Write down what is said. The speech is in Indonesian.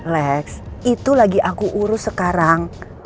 lex itu lagi aku urus sekarang